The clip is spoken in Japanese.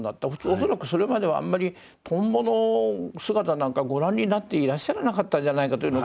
恐らくそれまではあんまりトンボの姿なんかご覧になっていらっしゃらなかったんじゃないかという気もするんですが。